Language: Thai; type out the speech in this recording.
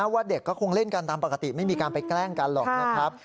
ว่าเด็กก็คงเล่นกันตามปกติไม่มีการไปแกล้งกันหรอกนะครับ